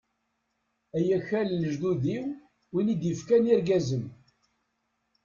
Ay akal n lejdud-iw, win i d-ifkan irgazen.